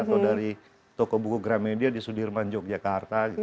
atau dari tokoh buku gramedia di sudirman yogyakarta